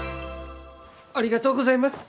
ありがとうございます。